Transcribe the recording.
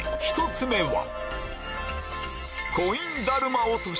１つ目は？